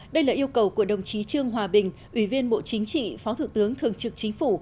đây là yêu cầu của đồng chí trương hòa bình ủy viên bộ chính trị phó thủ tướng thường trực chính phủ